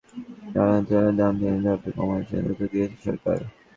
Kerosene, octane, পেট্রলসহ জ্বালানি তেলের দাম তিন ধাপে কমানোর সিদ্ধান্ত নিয়েছে সরকার।